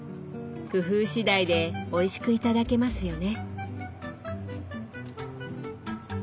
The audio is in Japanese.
工夫次第でおいしく頂けますよね。